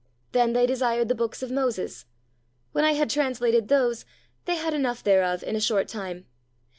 Then they desired the Books of Moses; when I had translated those, they had enough thereof in a short time.